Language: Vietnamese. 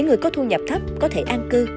người có thu nhập thấp có thể an cư